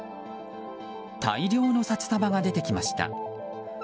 大量の札束が出てきました。